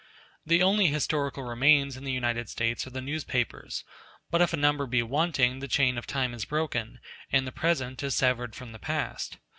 The only historical remains in the United States are the newspapers; but if a number be wanting, the chain of time is broken, and the present is severed from the past.